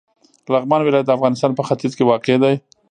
لغمان ولایت د افغانستان په ختیځ کې واقع دی.